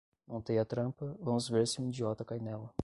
Montei a trampa, vamos ver se um idiota cai nela